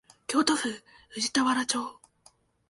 京都府宇治田原町